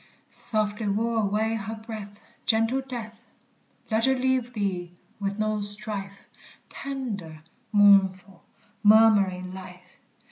Softly woo away her breath, Gentle death! Let her leave thee with no strife, Tender, mournful, murmuring life!